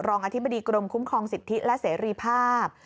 อธิบดีกรมคุ้มครองสิทธิและเสรีภาพ